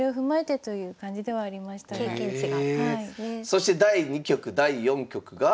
そして第２局第４局が？